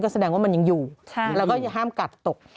แสดงว่ามันยังอยู่แล้วก็อย่าห้ามกัดตก